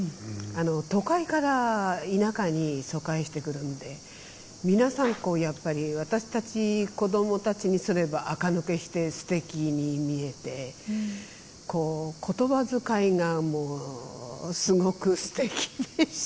都会から田舎に疎開してくるんで皆さんやっぱり私たち子どもたちにすればあか抜けしてすてきに見えてこう言葉遣いがすごくすてきでした。